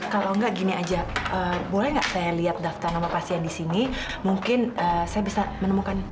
kalau enggak gini aja boleh gak saya lihat daftar nomor pasien disini mungkin saya bisa menemukan